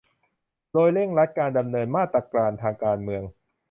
โดยเร่งรัดการดำเนินมาตรการทางการเมือง